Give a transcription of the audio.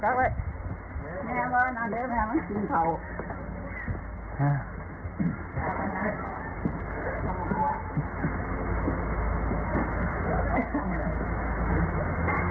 ก็แดงใช้ความว่าเต็มดวงแจอียมกันเลยค่ะ